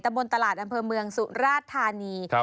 บนตลาดอำเภอเมืองสุราชธานี